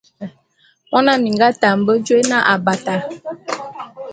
Mona minga ate a mbe jôé na Abata.